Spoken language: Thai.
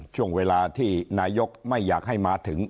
ช่วงเวลาที่นายกไม่อยากให้มาถึง